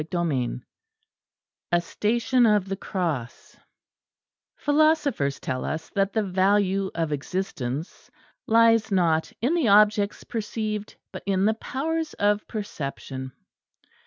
CHAPTER XI A STATION OF THE CROSS Philosophers tell us that the value of existence lies not in the objects perceived, but in the powers of perception.